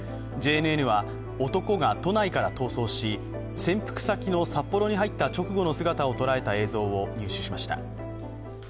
ＪＮＮは男が都内から逃走し潜伏先の札幌に入った直後の姿を捉えた映像を入手しました。